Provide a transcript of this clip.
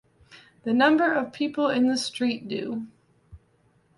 The number of people in the street do.